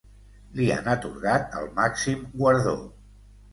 Li han atorgat el màxim guardó.